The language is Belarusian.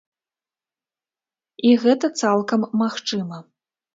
І гэта цалкам магчыма.